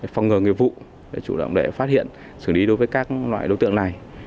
phòng ngờ nghiệp vụ để chủ động phát hiện xử lý đối với các loại đối tượng này